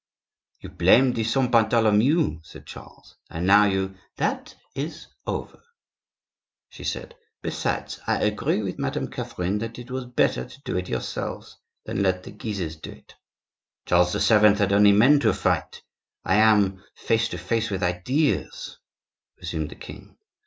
"You blamed the Saint Bartholomew," said Charles, "and now you—" "That is over," she said; "besides, I agree with Madame Catherine that it was better to do it yourselves than let the Guises do it." "Charles VII. had only men to fight; I am face to face with ideas," resumed the king.